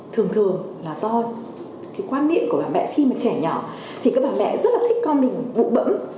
thường thường là do cái quan niệm của bà mẹ khi mà trẻ nhỏ thì các bà mẹ rất là thích con mình bụi bẩm